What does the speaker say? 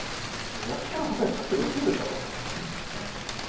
焼きたらこさえつくっとけばすぐですから。